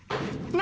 何？